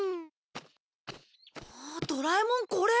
ドラえもんこれ。